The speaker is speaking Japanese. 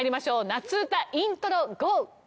夏うたイントロゴー！